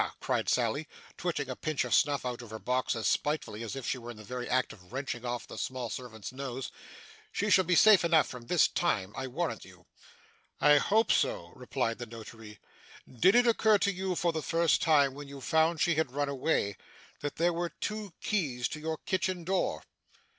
cried Sally, twitching a pinch of snuff out of her box, as spitefully as if she were in the very act of wrenching off the small servant's nose; 'she shall be safe enough from this time, I warrant you.' 'I hope so,' replied the Notary. 'Did it occur to you for the first time, when you found she had run away, that there were two keys to your kitchen door?